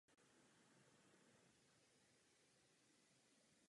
Jeho použití v uzavřeném prostoru je nebezpečné.